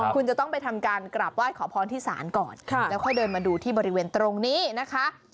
คุณจะต้องไปทำการกราบไหว้ขอพรที่ศาลก่อนแล้วค่อยเดินมาดูที่บริเวณตรงนี้นะคะ